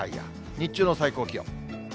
日中の最高気温。